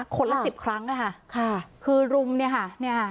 ละสิบครั้งนะคะค่ะคือรุมเนี่ยค่ะเนี่ยค่ะ